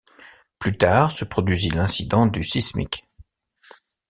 Plus tard se produisit l'incident du Sismik.